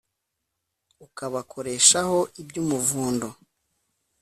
Ukabakoreshaho iby'umuvundo,